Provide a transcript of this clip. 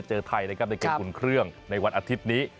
เจอไทยนะครับในเกมอุ่นเครื่องในวันอาทิตย์นี้